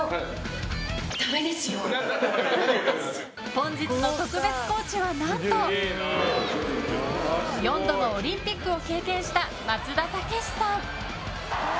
本日の特別コーチは何と４度のオリンピックを経験した松田丈志さん。